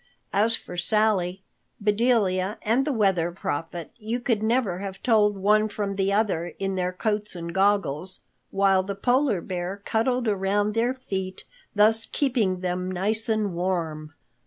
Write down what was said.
As for Sally, Bedelia and the Weather Prophet, you could never have told one from the other in their coats and goggles, while the Polar Bear cuddled around their feet, thus keeping them nice and warm.